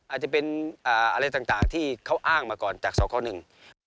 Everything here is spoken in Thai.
อาจจะเป็นอะไรต่างที่เขาอ้างมาก่อนจากสคหนึ่ง